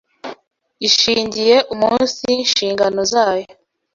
ishingiye umunsi nshingano zayo,